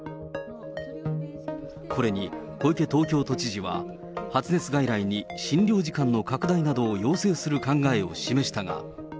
これに小池東京都知事は、発熱外来に診療時間の拡大などを要請する考えを示したが。